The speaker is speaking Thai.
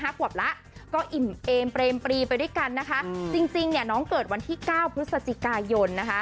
หักหวับละก็อิ่มเอนเตรียมปีปรีไปด้วยกันจริงหนองเกิดวันที่๙พฤศจิกายน